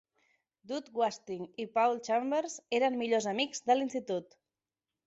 Doug Watkins i Paul Chambers eren millors amics de l'institut.